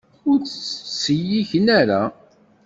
Ur tt-ttselliken ara.